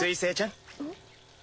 ん？